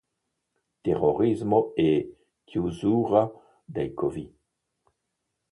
Terrorismo e chiusura dei covi".